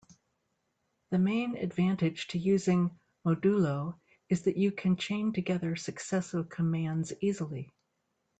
The main advantage to using modulo is that you can chain together successive commands easily.